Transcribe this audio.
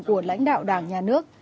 của lãnh đạo đảng nhà nước